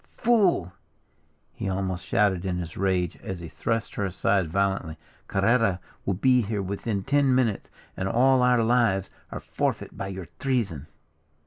"Fool!" he almost shouted in his rage, as he thrust her aside violently, "Carrera will be here within ten minutes, and all our lives are forfeit by your treason."